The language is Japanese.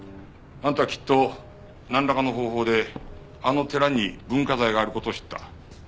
あんたきっとなんらかの方法であの寺に文化財がある事を知った。